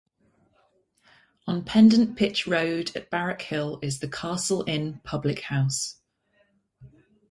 On Pendant Pitch (road) at Barrack Hill is the Castle Inn public house.